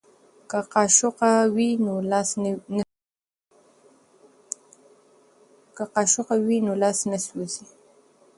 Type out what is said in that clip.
که قاشقه وي نو لاس نه سوځي.